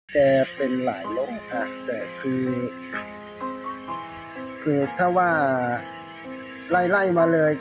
แกเป็นหลายโรคค่ะแต่คือถ้าว่าไล่ไล่มาเลย